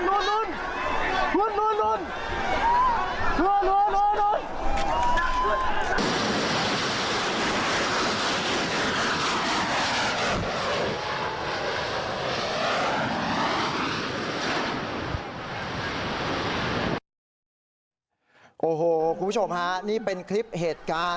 โอ้โหคุณผู้ชมฮะนี่เป็นคลิปเหตุการณ์